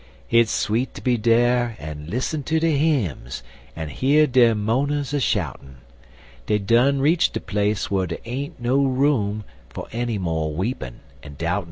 Hit's sweet ter be dere en lissen ter de hymns, En hear dem mo'ners a shoutin' Dey done reach de place whar der ain't no room Fer enny mo' weepin' en doubtin'.